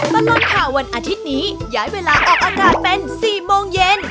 ตลอดข่าววันอาทิตย์นี้ย้ายเวลาออกอากาศเป็น๔โมงเย็น